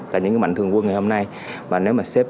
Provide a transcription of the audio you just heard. là những mạnh thường quân ngày hôm nay và nếu mà xếp